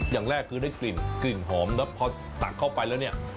อย่างแรกคือได้กลิ่นหอมแล้วพอตักเข้าไปแล้ว